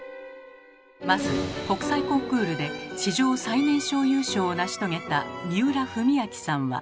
まず国際コンクールで史上最年少優勝を成し遂げた三浦文彰さんは。